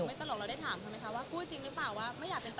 ตลกเราได้ถามเขาไหมคะว่าพูดจริงหรือเปล่าว่าไม่อยากเป็นต่อ